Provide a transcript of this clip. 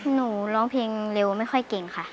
หนูร้องเพลงเร็วไม่ค่อยเก่งค่ะ